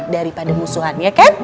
daripada musuhannya kan